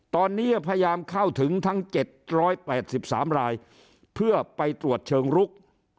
ตอนนี้พยายามเข้าถึงทั้ง๗๘๓รายเพื่อไปตรวจเชิงลุก